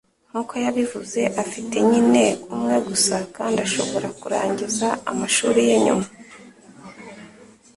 Nkuko yabivuze; afite nyina umwe gusa, kandi ashobora kurangiza amashuri ye nyuma.